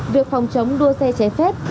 việc phòng chống đua xe cháy phép